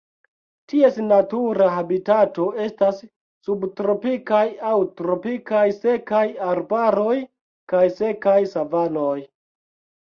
Ties natura habitato estas subtropikaj aŭ tropikaj sekaj arbaroj kaj sekaj savanoj.